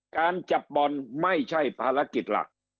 การจับบอลไม่ใช่ภารกิจหลัก